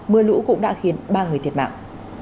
mưa lũ cũng đã khiến ba người thiệt mạng